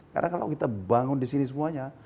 karena kalau kita bangun di sini semuanya